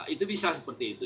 itu bisa seperti itu